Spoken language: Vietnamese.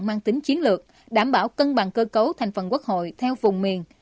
mang tính chiến lược đảm bảo cân bằng cơ cấu thành phần quốc hội theo vùng miền